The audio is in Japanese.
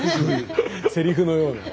せりふのような。